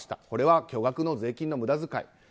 これは巨額の税金の無駄遣い。